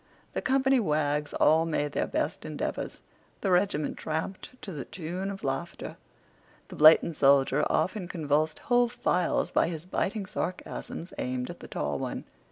The company wags all made their best endeavors. The regiment tramped to the tune of laughter. The blatant soldier often convulsed whole files by his biting sarcasms aimed at the tall one.